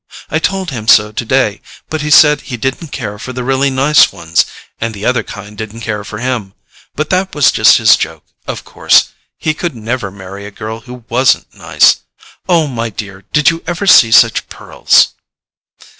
I told him so today, but he said he didn't care for the really nice ones, and the other kind didn't care for him—but that was just his joke, of course. He could never marry a girl who WASN'T nice. Oh, my dear, did you ever see such pearls?"